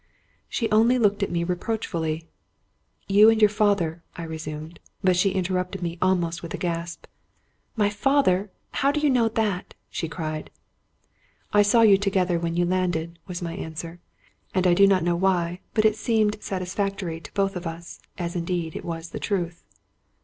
She only looked at me reproachfully. " You and your father —'* I resumed; but she interrupted me almost with a gasp. " My father! How do you know that? " she cried. " I saw you together when you landed," was my answer; and I do not know why, but it seemed satisfactory to both of us, as indeed it was truth.